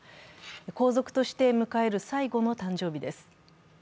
皇族として迎える最後の誕生日です。